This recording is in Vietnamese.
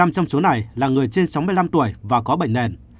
một trăm linh trong số này là người trên sáu mươi năm tuổi và có bệnh nền